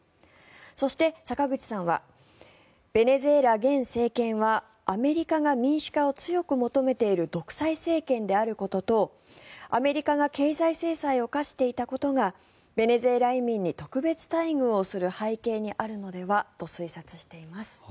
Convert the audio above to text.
そして、坂口さんはベネズエラ現政権はアメリカが民主化を強く求めている独裁政権であることとアメリカが経済制裁を科していたことがベネズエラ移民に特別待遇をする背景にあるのではと推察しています。